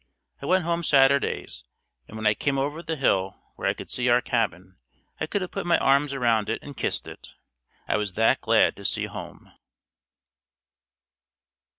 I went home Saturdays and when I came over the hill where I could see our cabin, I could have put my arms around it and kissed it, I was that glad to see home.